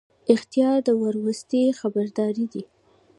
اخطار د وروستي خبرداری دی